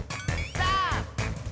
さあ！